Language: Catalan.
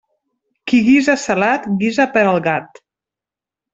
Qui guisa salat guisa per al gat.